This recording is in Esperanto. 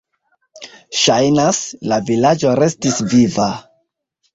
Ŝajnas, la vilaĝo restis viva.